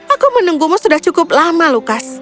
aku menunggumu sudah cukup lama lukas